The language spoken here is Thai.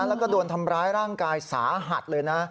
แล้วก็โดนทำร้ายร่างกายสาหัสเลยนะ